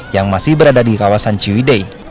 yang masih berada di kawasan ciwidei